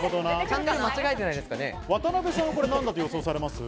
渡邊さんは何だと予想されますか？